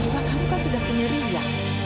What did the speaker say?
dan juga kamu kan sudah punya riza